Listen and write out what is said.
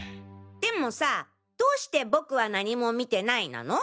でもさどうして「ボクは何も見てない」なの？